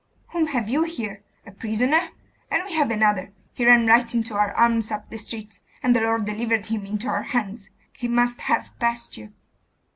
Whom have you here? A prisoner? And we have another. He ran right into our arms up the street, and the Lord delivered him into our hand. He must have passed you.